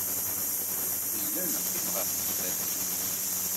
Nella neqqim ɣef yifadden.